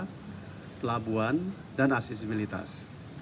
kita menemukan pelabuhan dan asistibilitas